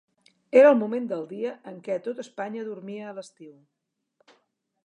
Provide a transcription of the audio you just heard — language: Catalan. Era el moment del dia en què tot Espanya dormia a l'estiu.